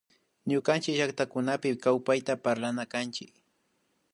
Ñukanchick llactakunapi kawpayta parlana kanchik